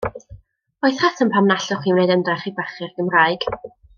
Oes rheswm pam na allwch chi wneud ymdrech i barchu'r Gymraeg?